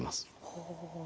ほう。